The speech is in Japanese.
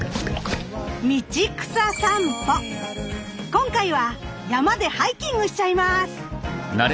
今回は山でハイキングしちゃいます。